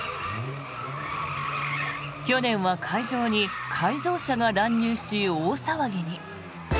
去年は会場に改造車が乱入し大騒ぎに。